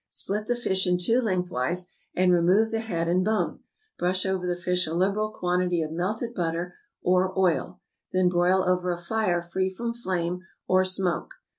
= Split the fish in two lengthwise, and remove the head and bone, brush over the fish a liberal quantity of melted butter or oil, then broil over a fire free from flame or smoke.